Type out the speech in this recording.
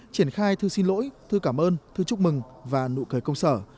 triển khai thư xin lỗi thư cảm ơn thư chúc mừng và nụ cười công sở